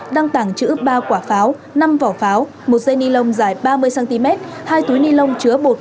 đang tảng chữ ba quả pháo năm vỏ pháo một dây nilon dài ba mươi cm hai túi nilon chứa bột màu